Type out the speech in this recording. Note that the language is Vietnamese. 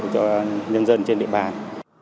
cho nhân dân trên địa bàn